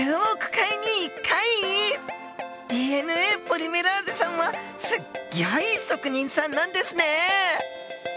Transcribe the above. ポリメラーゼさんはすっギョい職人さんなんですね！